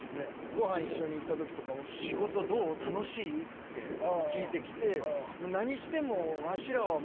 ごはん一緒に行った時とかも「仕事どう？楽しい？」って聞いて来て。